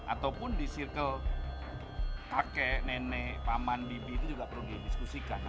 ataupun di circle kakek nenek paman bibi itu juga perlu didiskusikan